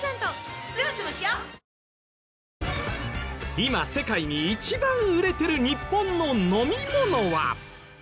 今世界に一番売れている日本の飲み物は？